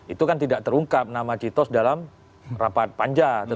itu kan tidak terungkap nama citos dalam rapat panja